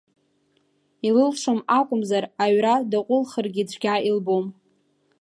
Илылшом акәмзар, аҩра даҟәлхыргьы цәгьа илбом.